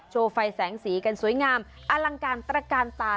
ไฟแสงสีกันสวยงามอลังการตระกาลตา